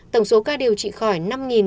tổng số ca điều trị khỏi năm bảy trăm hai mươi sáu